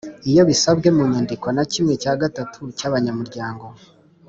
iyo bisabwe mu nyandiko na kimwe cya gatatu cy’abanyamryango